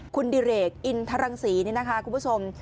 คุณดิเรกอินทรังสีคุณผู้ชม